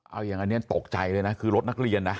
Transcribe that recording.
เอาอย่างอันนี้ตกใจเลยนะคือรถนักเรียนนะ